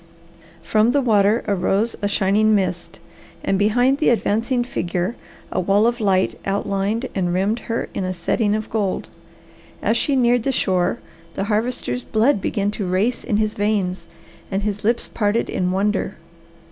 From the water arose a shining mist, and behind the advancing figure a wall of light outlined and rimmed her in a setting of gold. As she neared the shore the Harvester's blood began to race in his veins and his lips parted in wonder.